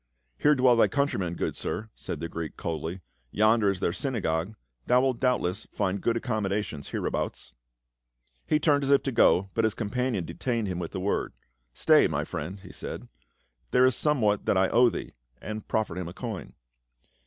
" Here dwell thy countrymen, good sir," said the Greek coldly. " Yonder is their synagogue ; thou wilt doubtless find good accommodations hereabouts." He turned as if to go, but his companion detained him with a word. " Stay, my friend," he said, " there is somewhat that I owe thee," and he proffered a coin.